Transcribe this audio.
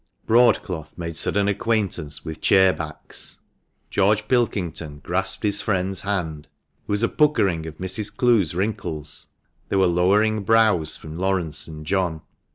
(Broadcloth made sudden acquaintance with chair backs. George Pilkington grasped his friend's hand ; there was a puckering of Mrs. Clowes's wrinkles ; there were lowering brows from Laurence and John.)